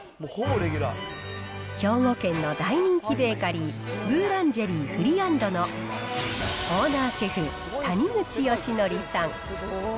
兵庫県の大人気ベーカリー、ブーランジェリー・フリアンドのオーナーシェフ、谷口佳典さん。